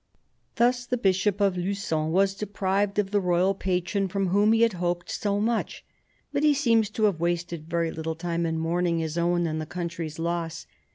Thus the Bishop of Lugon was deprived of the royal patron from whom he had hoped so much. But he seems to have wasted very little time in mourning his own and the country's loss.